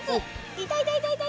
いたいたいたいた！